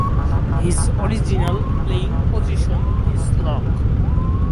His original playing position is lock.